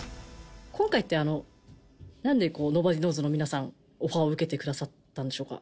今回ってなんでｎｏｂｏｄｙｋｎｏｗｓ＋の皆さんオファーを受けてくださったんでしょうか？